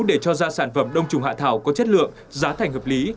để cho ra sản phẩm đông trùng hạ thảo có chất lượng giá thành hợp lý